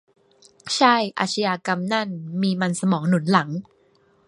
ใช่ อาชญากรรมนั่นมีมันสมองหนุนหลัง